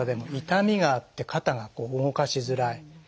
痛みがあって肩が動かしづらい。